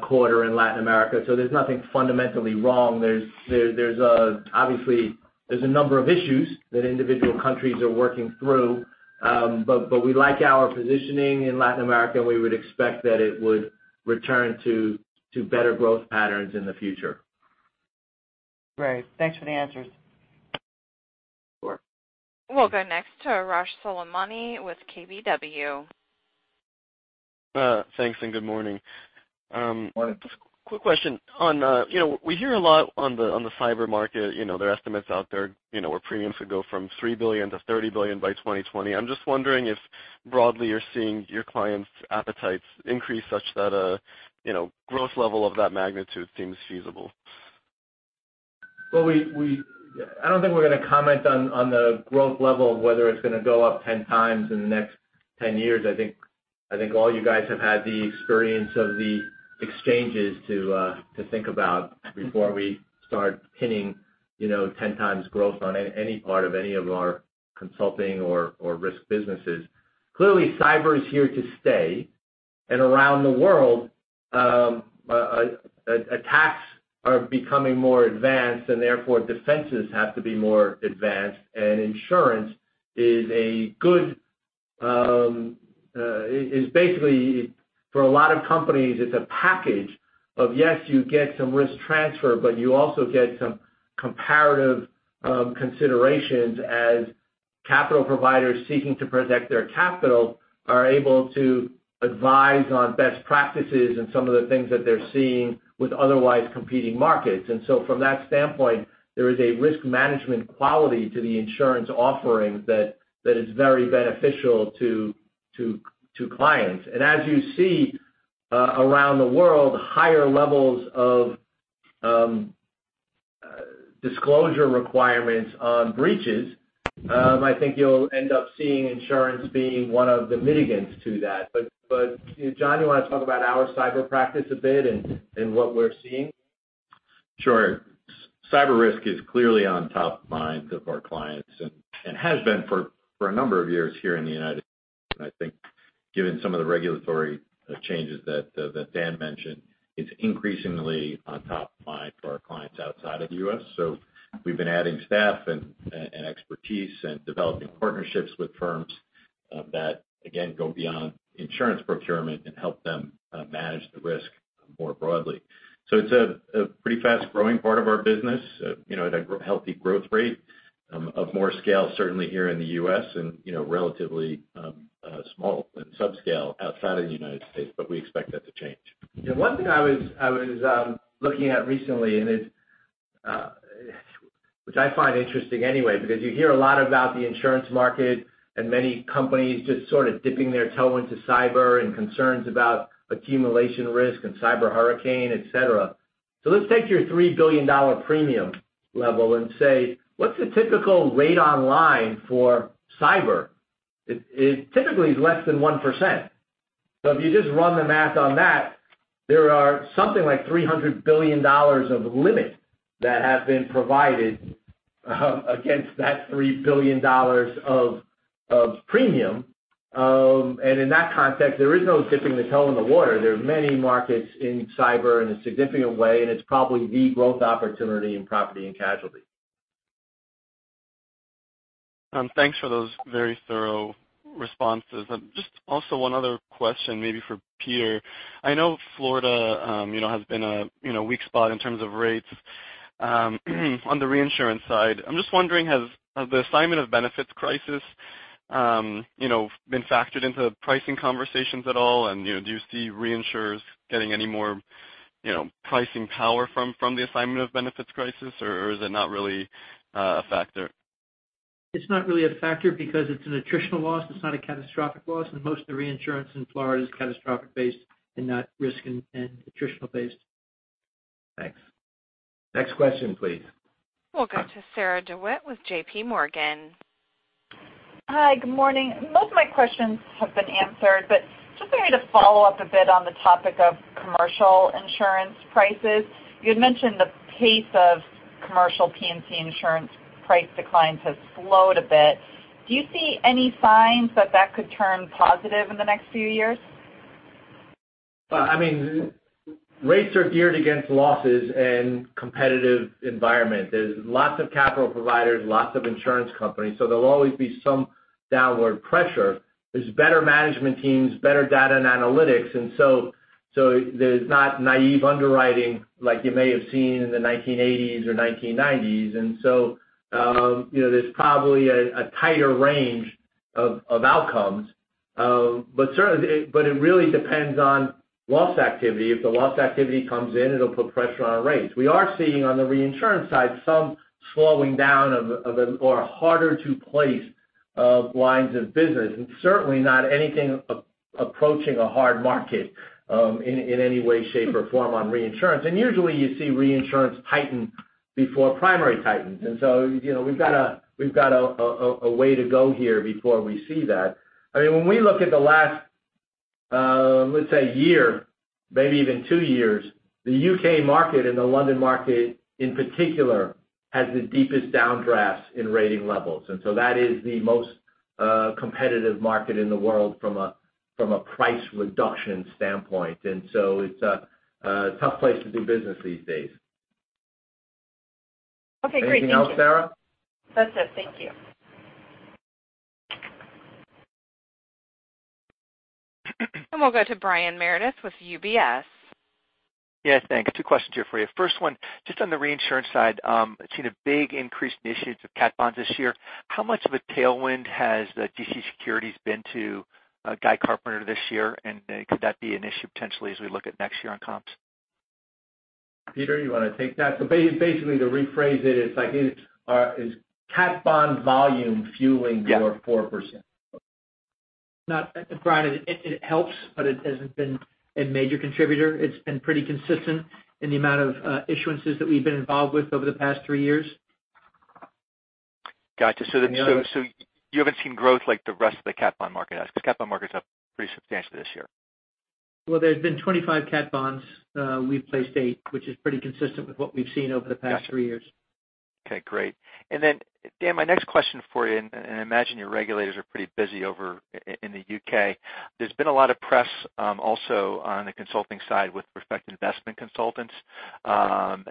quarter in Latin America, there's nothing fundamentally wrong. Obviously, there's a number of issues that individual countries are working through, we like our positioning in Latin America. We would expect that it would return to better growth patterns in the future. Great. Thanks for the answers. Sure. We'll go next to Arash Soleimani with KBW. Thanks. Good morning. Morning. Just a quick question. We hear a lot on the cyber market. There are estimates out there where premiums could go from $3 billion to $30 billion by 2020. I'm just wondering if broadly you're seeing your clients' appetites increase such that a growth level of that magnitude seems feasible. I don't think we're going to comment on the growth level, whether it's going to go up 10 times in the next 10 years. I think all you guys have had the experience of the exchanges to think about before we start pinning 10 times growth on any part of any of our consulting or risk businesses. Clearly, cyber is here to stay. Around the world, attacks are becoming more advanced, and therefore, defenses have to be more advanced. Insurance is basically, for a lot of companies, it's a package of, yes, you get some risk transfer, but you also get some comparative considerations as capital providers seeking to protect their capital are able to advise on best practices and some of the things that they're seeing with otherwise competing markets. From that standpoint, there is a risk management quality to the insurance offering that is very beneficial to clients. As you see around the world, higher levels of disclosure requirements on breaches, I think you'll end up seeing insurance being one of the mitigants to that. John, you want to talk about our cyber practice a bit and what we're seeing? Sure. Cyber risk is clearly on top of mind of our clients and has been for a number of years here in the U.S. I think given some of the regulatory changes that Dan mentioned, it's increasingly on top of mind for our clients outside of the U.S. We've been adding staff and expertise and developing partnerships with firms that, again, go beyond insurance procurement and help them manage the risk more broadly. It's a pretty fast-growing part of our business at a healthy growth rate of more scale, certainly here in the U.S., and relatively small and subscale outside of the United States, but we expect that to change. Yeah. One thing I was looking at recently, which I find interesting anyway, because you hear a lot about the insurance market and many companies just sort of dipping their toe into cyber and concerns about accumulation risk and cyber hurricane, et cetera. Let's take your $3 billion premium level and say, what's the typical rate online for cyber? It typically is less than 1%. If you just run the math on that, there are something like $300 billion of limit that have been provided against that $3 billion of premium. In that context, there is no dipping the toe in the water. There are many markets in cyber in a significant way, and it's probably the growth opportunity in property and casualty. Thanks for those very thorough responses. Just also one other question, maybe for Peter. I know Florida has been a weak spot in terms of rates on the reinsurance side. I'm just wondering, has the assignment of benefits crisis been factored into pricing conversations at all, and do you see reinsurers getting any more pricing power from the assignment of benefits crisis, or is it not really a factor? It's not really a factor because it's an attritional loss, it's not a catastrophic loss, and most of the reinsurance in Florida is catastrophic based and not risk and attritional based. Thanks. Next question, please. We'll go to Sarah DeWitt with J.P. Morgan. Hi. Good morning. Most of my questions have been answered, but just wanted to follow up a bit on the topic of commercial insurance prices. You had mentioned the pace of commercial P&C insurance price declines has slowed a bit. Do you see any signs that that could turn positive in the next few years? Rates are geared against losses and competitive environment. There's lots of capital providers, lots of insurance companies, so there'll always be some downward pressure. There's better management teams, better data and analytics, and so there's not naive underwriting like you may have seen in the 1980s or 1990s. There's probably a tighter range of outcomes. It really depends on loss activity. If the loss activity comes in, it'll put pressure on our rates. We are seeing on the reinsurance side, some slowing down of a more harder to place lines of business, and certainly not anything approaching a hard market in any way, shape, or form on reinsurance. Usually you see reinsurance tighten before primary tightens. We've got a way to go here before we see that. When we look at the last, let's say year, maybe even two years, the U.K. market and the London market in particular, has the deepest downdrafts in rating levels. That is the most competitive market in the world from a price reduction standpoint. It's a tough place to do business these days. Okay, great. Thank you. Anything else, Sarah? That's it. Thank you. We'll go to Brian Meredith with UBS. Thanks. Two questions here for you. First one, just on the reinsurance side. I've seen a big increase in the issuance of cat bonds this year. How much of a tailwind has the ILS securities been to Guy Carpenter this year? Could that be an issue potentially as we look at next year on comps? Peter, you want to take that? Basically, to rephrase it, is cat bond volume fueling your 4%? Brian, it helps, but it hasn't been a major contributor. It's been pretty consistent in the amount of issuances that we've been involved with over the past three years. Got you. You haven't seen growth like the rest of the cat bond market has? Cat bond market's up pretty substantially this year. Well, there's been 25 cat bonds. We've placed eight, which is pretty consistent with what we've seen over the past three years. Okay, great. Dan, my next question for you, I imagine your regulators are pretty busy over in the U.K. There's been a lot of press also on the consulting side with respect to investment consultants and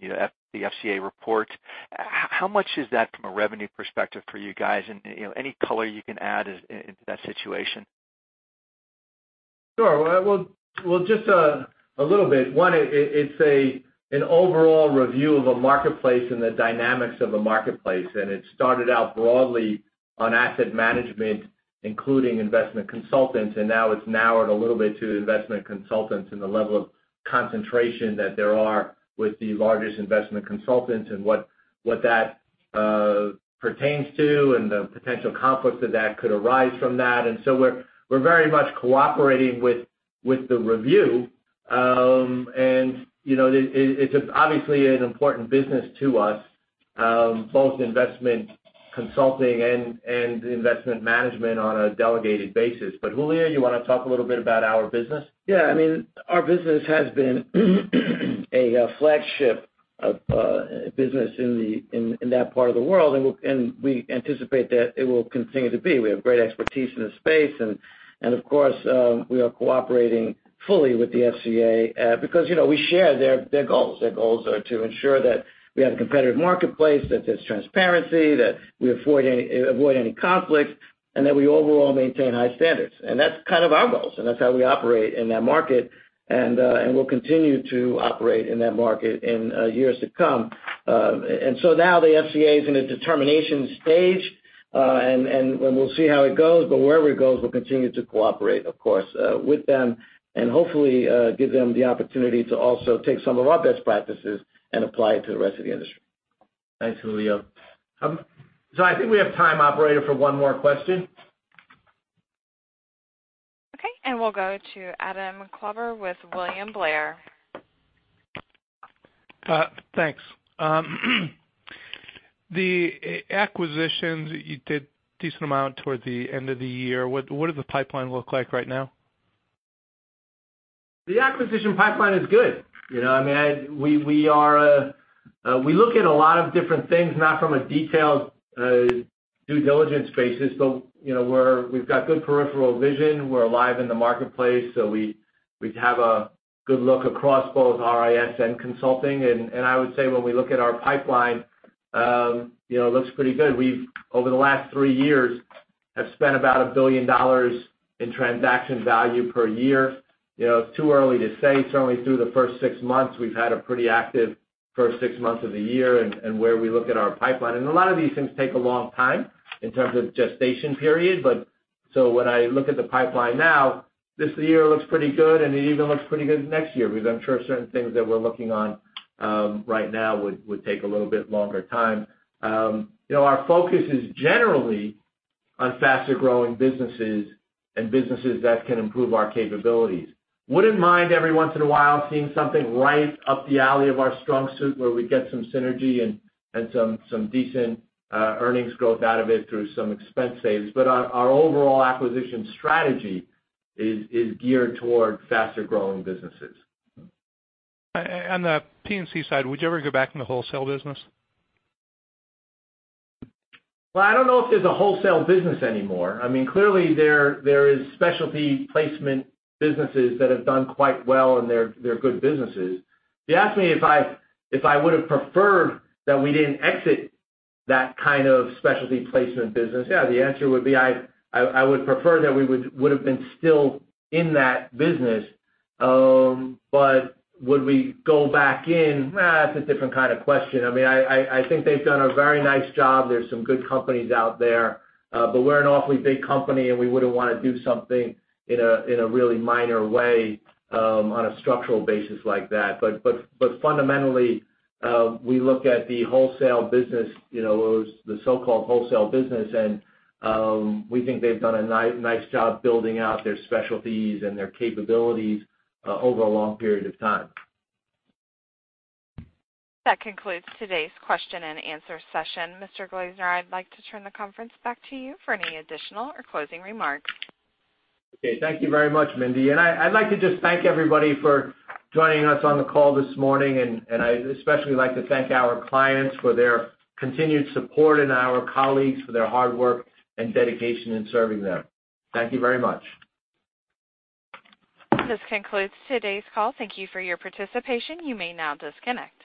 the FCA report. How much is that from a revenue perspective for you guys? Any color you can add into that situation? Sure. Well, just a little bit. One, it's an overall review of a marketplace and the dynamics of a marketplace, it started out broadly on asset management, including investment consultants, and now it's narrowed a little bit to investment consultants and the level of concentration that there are with the largest investment consultants and what that pertains to and the potential conflicts that could arise from that. We're very much cooperating with the review. It's obviously an important business to us, both investment consulting and investment management on a delegated basis. Julio, you want to talk a little bit about our business? Yeah, our business has been a flagship of business in that part of the world, we anticipate that it will continue to be. We have great expertise in the space, of course, we are cooperating fully with the FCA because we share their goals. Their goals are to ensure that we have a competitive marketplace, that there's transparency, that we avoid any conflicts, and that we overall maintain high standards. That's kind of our goals, and that's how we operate in that market. We'll continue to operate in that market in years to come. Now the FCA is in a determination stage, and we'll see how it goes. Wherever it goes, we'll continue to cooperate, of course, with them and hopefully give them the opportunity to also take some of our best practices and apply it to the rest of the industry. Thanks, Julio. I think we have time, operator, for one more question. Okay. We'll go to Adam Klauber with William Blair. Thanks. The acquisitions you did decent amount towards the end of the year. What does the pipeline look like right now? The acquisition pipeline is good. We look at a lot of different things, not from a detailed due diligence basis, but we've got good peripheral vision. We're alive in the marketplace, so we have a good look across both RIS and consulting. I would say when we look at our pipeline, it looks pretty good. We've, over the last three years, have spent about $1 billion in transaction value per year. It's too early to say. It's only through the first six months. We've had a pretty active first six months of the year and where we look at our pipeline. A lot of these things take a long time in terms of gestation period. When I look at the pipeline now, this year looks pretty good, and it even looks pretty good next year because I'm sure certain things that we're looking on right now would take a little bit longer time. Our focus is generally on faster-growing businesses and businesses that can improve our capabilities. Wouldn't mind every once in a while seeing something right up the alley of our strong suit where we get some synergy and some decent earnings growth out of it through some expense saves. Our overall acquisition strategy is geared towards faster-growing businesses. On the P&C side, would you ever go back in the wholesale business? Well, I don't know if there's a wholesale business anymore. Clearly there is specialty placement businesses that have done quite well, and they're good businesses. If you asked me if I would have preferred that we didn't exit that kind of specialty placement business, yeah, the answer would be I would prefer that we would have been still in that business. Would we go back in? That's a different kind of question. I think they've done a very nice job. There's some good companies out there. We're an awfully big company, and we wouldn't want to do something in a really minor way on a structural basis like that. Fundamentally, we look at the wholesale business, the so-called wholesale business, and we think they've done a nice job building out their specialties and their capabilities over a long period of time. That concludes today's question and answer session. Mr. Glaser, I'd like to turn the conference back to you for any additional or closing remarks. Okay. Thank you very much, Mindy. I'd like to just thank everybody for joining us on the call this morning, and I'd especially like to thank our clients for their continued support and our colleagues for their hard work and dedication in serving them. Thank you very much. This concludes today's call. Thank you for your participation. You may now disconnect.